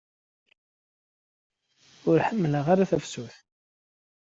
Ur ḥemmleɣ ara tafsut.